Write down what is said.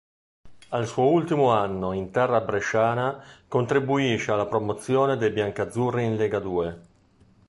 Al suo ultimo anno in terra bresciana, contribuisce alla promozione dei biancazzurri in Legadue.